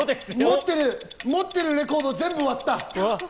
持ってるレコードを全部割った。